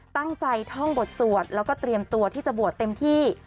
ท่องบทสวดแล้วก็เตรียมตัวที่จะบวชเต็มที่